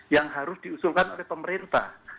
yang harus diusulkan oleh pemerintah